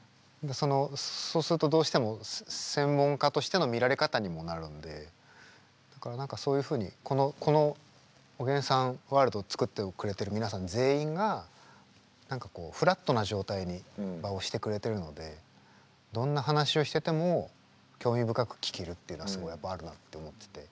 そのそうするとどうしても専門家としての見られ方にもなるんでだから何かそういうふうにこのおげんさんワールドを作ってくれてる皆さん全員が何かこうフラットな状態に場をしてくれてるのでどんな話をしてても興味深く聞けるっていうのはすごいやっぱあるなって思ってて。